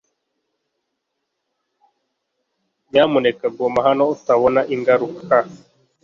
Nyamuneka guma hano utabona ingaruka